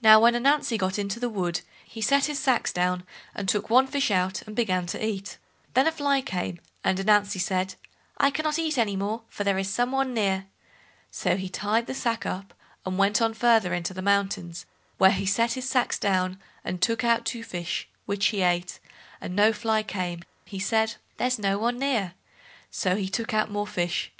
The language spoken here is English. Now, when Ananzi got into the wood he set his sacks down, and took one fish out and began to eat; then a fly came, and Ananzi said, "I cannot eat any more, for there is some one near"; so he tied the sack up, and went on further into the mountains, where he set his sacks down, and took out two fish, which he ate; and no fly came, he said, "There's no one near"; so he took out more fish.